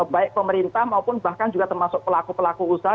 baik pemerintah maupun bahkan juga termasuk pelaku pelaku usaha